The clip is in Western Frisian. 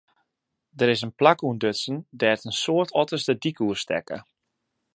Der is in plak ûntdutsen dêr't in soad otters de dyk oerstekke.